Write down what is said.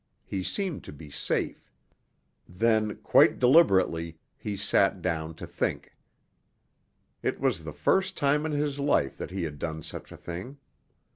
He seemed to be safe. Then, quite deliberately, he sat down to think. It was the first time in his life that he had done such a thing.